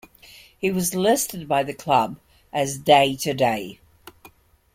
He was listed by the club as day-to-day.